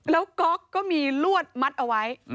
แล้วก๊อกก็มีลวดมัดเอาไว้